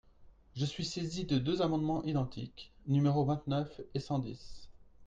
Je suis saisi de deux amendements identiques, numéros vingt-neuf et cent dix.